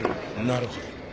なるほど。